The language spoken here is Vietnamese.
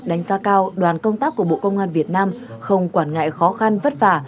đánh giá cao đoàn công tác của bộ công an việt nam không quản ngại khó khăn vất vả